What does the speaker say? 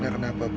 alena kenapa bu